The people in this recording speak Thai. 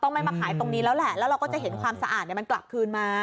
ไม่มาขายตรงนี้แล้วแหละแล้วเราก็จะเห็นความสะอาดมันกลับคืนมา